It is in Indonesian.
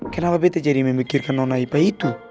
kenapa betta jadi memikirkan nona ipa itu